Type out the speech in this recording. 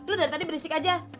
dulu dari tadi berisik aja